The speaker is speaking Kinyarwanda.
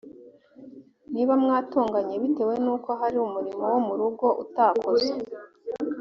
niba mwatonganye bitewe n uko hari umurimo wo mu rugo utakoze